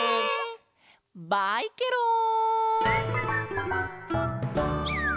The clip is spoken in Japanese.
バイケロン！